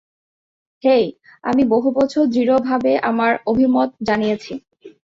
হেই, আমি বহুবছর দৃঢ়ভাবে আমার অভিমত জানিয়েছি।